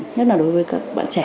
nhất là đối với các bạn trẻ